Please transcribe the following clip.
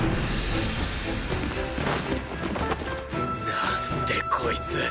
なんでこいつ。